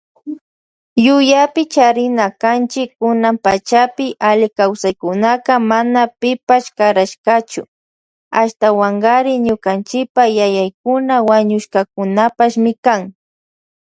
Yuyapi charina kanchi kunan pachapi alli kawsaykunaka mana pipash karashkachu, ashtawankari ñukanchipa yayakuna wañushkakunapashmi kan.